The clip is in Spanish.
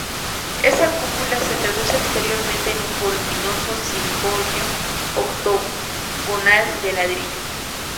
Esa cúpula se traduce exteriormente en un voluminoso cimborrio octogonal de ladrillo.